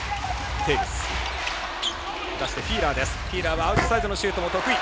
フィーラーはアウトサイドのシュートも得意。